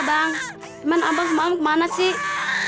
bang emang abang kemana sih